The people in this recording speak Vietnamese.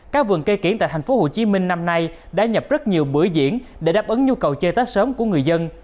các vườn cây kiển tại tp hcm năm nay đã nhập rất nhiều bữa diễn để đáp ứng nhu cầu chơi tết sớm của người dân